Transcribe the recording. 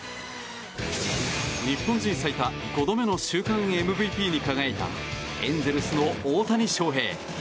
日本人最多５度目の週間ＭＶＰに輝いたエンゼルスの大谷翔平。